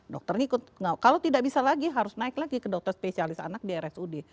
dokter ikut kalau tidak bisa lagi harus naik lagi ke dokter spesialis anak di rsud